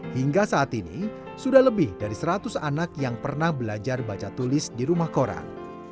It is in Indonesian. hingga saat ini sudah lebih dari seratus anak yang pernah belajar baca tulis di rumah koran